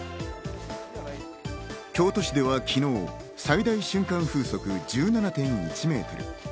京都市では昨日、最大瞬間風速１７．１メートル。